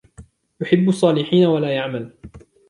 يُحِبُّ الصَّالِحِينَ وَلَا يَعْمَلُ